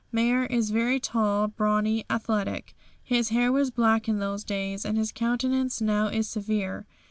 Mayr is very tall, brawny, athletic. His hair was black in those days, and his countenance now is severe.